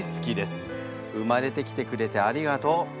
生まれてきてくれてありがとう。